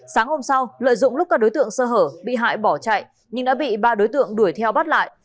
sáng hôm sau lợi dụng lúc các đối tượng sơ hở bị hại bỏ chạy nhưng đã bị ba đối tượng đuổi theo bắt lại